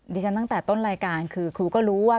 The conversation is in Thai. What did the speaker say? ตั้งแต่ต้นรายการคือครูก็รู้ว่า